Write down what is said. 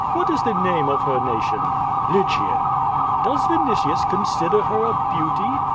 ''What is the name of her nation?" '^Lygian." ''Does Vinitius consider her a beauty?"